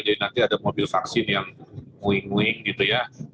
jadi nanti ada mobil vaksin yang wing wing gitu ya